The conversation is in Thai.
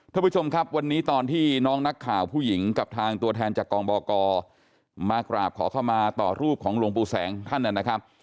ท่านผู้ชมครับวันนี้ตอนที่น้องนักข่าวผู้หญิงกับทางตัวแทนจากกองบกมากราบขอเข้ามาต่อรูปของหลวงปู่แสงท่านนะครับ